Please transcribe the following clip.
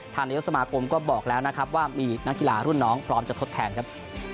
นายกสมาคมก็บอกแล้วนะครับว่ามีนักกีฬารุ่นน้องพร้อมจะทดแทนครับ